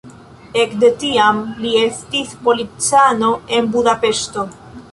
Ekde tiam li estis policano en Budapeŝto.